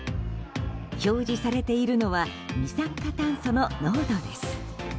表示されているのは二酸化炭素の濃度です。